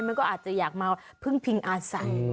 มันก็อาจจะอยากมาพึ่งพิงอาศัย